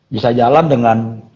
bisa jalan dengan